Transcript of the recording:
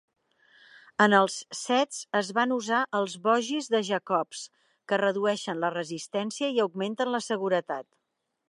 En els sets es van usar els "bogis" de Jacobs, que redueixen la resistència i augmenten la seguretat.